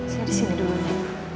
saya disini dulu ya